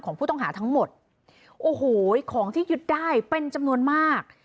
ของผู้ต้องหาทั้งหมดโอ้โหของที่ยึดได้เป็นจำนวนมาก